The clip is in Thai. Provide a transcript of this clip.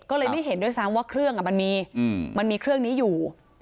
ก็เลยไม่เห็นด้วยซ้ำว่าเครื่องมันมีมันมีเครื่องนี้อยู่